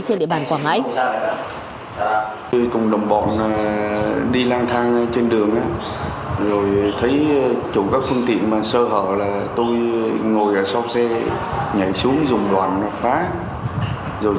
trên đề bàn quảng ngãi